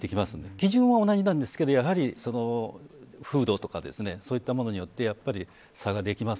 基準は、同じなんですけどやはり、その風土とかそういったものによってやはり差ができます。